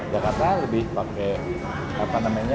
jakarta lebih pakai apa namanya